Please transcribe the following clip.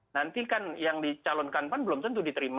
nanti kan yang dicalonkan pan belum tentu diterima